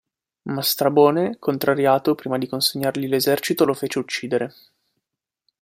Ma Strabone, contrariato, prima di consegnargli l'esercito lo fece uccidere.